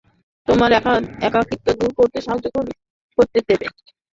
তোমার একাকীত্ব দূর করতে সাহায্য করতে দেবে?